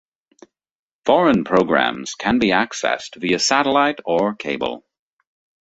Foreign programs can be accessed via satellite or cable.